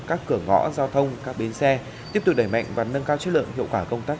các cửa ngõ giao thông các bến xe tiếp tục đẩy mạnh và nâng cao chất lượng hiệu quả công tác